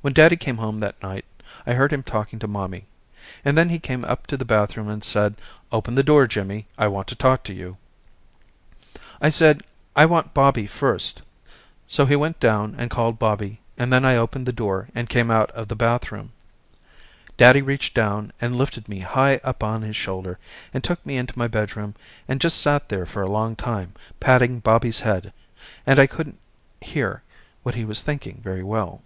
When daddy came home that night I heard him talking to mommy, and then he came up to the bathroom and said open the door Jimmy I want to talk to you. I said I want Bobby first so he went down and called Bobby and then I opened the door and came out of the bathroom. Daddy reached down and lifted me high up on his shoulder and took me into my bedroom and just sat there for a long time patting Bobby's head and I couldn't hear what he was thinking very well.